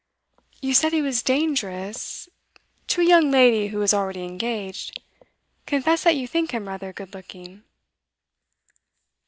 'You said he was dangerous ' 'To a young lady who is already engaged. Confess that you think him rather good looking.